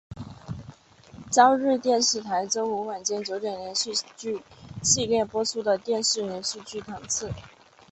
朝日电视台周五晚间九点连续剧系列播出的电视连续剧档次。